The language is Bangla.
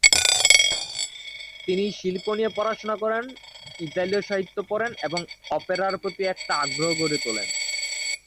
তিনি শিল্প নিয়ে পড়াশুনা করেন, ইতালিয় সাহিত্য পড়েন এবং অপেরার প্রতি একটা আগ্রহ গড়ে তোলেন।